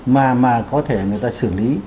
mà có thể người ta xử lý